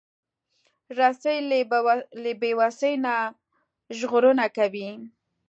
رسۍ له بیوسۍ نه ژغورنه کوي.